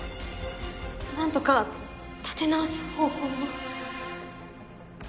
何とか立て直す方法を。